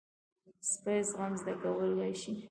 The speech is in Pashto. سپي زغم زده کولی شي.